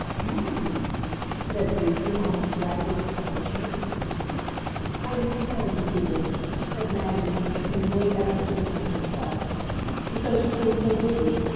"Maggie!" said Lucy, almost white with astonishment. "I didn't tell you, dear," said Maggie, making a great effort to command herself, "because you've been so busy.